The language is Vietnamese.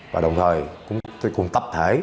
và đồng thời cùng tập thể